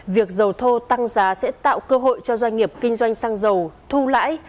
việc dầu thô tăng giá sẽ tạo cơ hội cho doanh nghiệp kinh doanh xăng dầu thu lãi